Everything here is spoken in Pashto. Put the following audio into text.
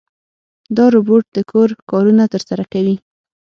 دا روبوټ د کور کارونه ترسره کوي.